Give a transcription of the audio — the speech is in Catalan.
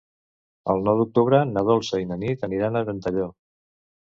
El nou d'octubre na Dolça i na Nit aniran a Ventalló.